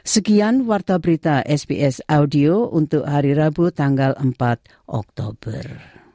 sekian wartaberita sbs audio untuk hari rabu tanggal empat oktober